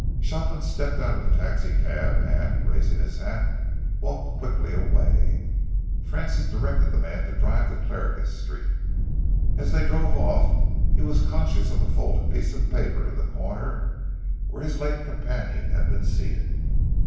Shopland stepped out of the taxicab and, raising his hat, walked quickly away. Francis directed the man to drive to Clarges Street. As they drove off, he was conscious of a folded piece of paper in the corner where his late companion had been seated.